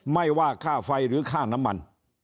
ไม่ว่าค่าไฟหรือค่าน้ำมัน